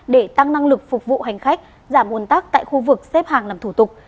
để tăng năng lực phục vụ hành khách giảm ồn tắc tại khu vực xếp hàng làm thủ tục